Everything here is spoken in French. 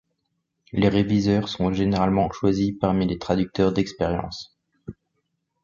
Les réviseurs sont généralement choisis parmi les traducteurs d'expérience.